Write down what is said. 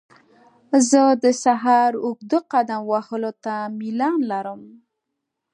زه د سهار اوږده قدم وهلو ته میلان لرم.